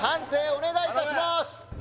お願いいたします